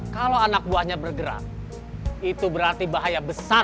kalau anak buahnya bergerak itu berarti bahaya besar